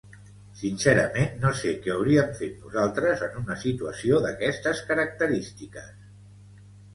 Sincerament no sé què hauríem fet nosaltres en una situació d’aquestes característiques.